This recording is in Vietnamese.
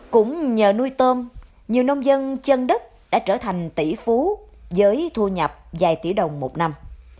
cũng nhờ nuôi tôm nhiều nông dân chân đất đã trở thành tỷ phú với thu nhập vài tỷ đồng một năm